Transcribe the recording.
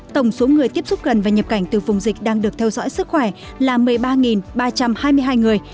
tổng số người tiếp xúc gần và nhập cảnh từ vùng dịch đang được theo dõi sức khỏe là một mươi ba ba trăm hai mươi hai người